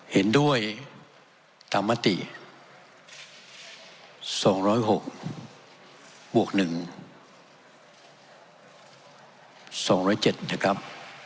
เห็นด้วยตามมติ๒๐๖บวก๑๒๐๗นะครับ